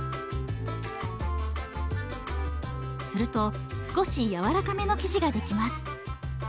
すると少し柔らかめの生地ができます。